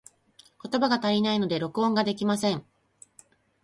言葉が足りないので、録音ができません。